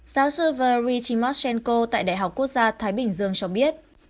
giáo sư valery timoshenko tại đại học quốc gia thái bình dương cho biết